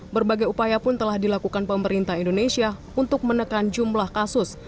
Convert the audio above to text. berbagai upaya pun telah dilakukan pemerintah indonesia untuk menekan jumlah kasus